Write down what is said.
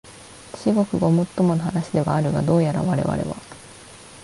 至極ごもっともな話ではあるが、どうやらわれわれは、